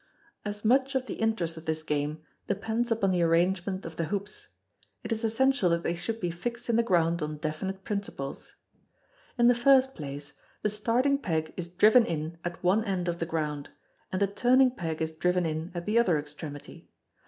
As much of the interest of this game depends upon the arrangement of the hoops, it is essential that they should be fixed in the ground on definite principles. In the first place, the starting peg is driven in at one end of the ground, and the turning peg is driven in at the other extremity.